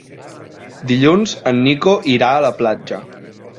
Dilluns en Nico irà a la platja.